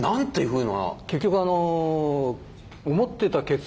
結局。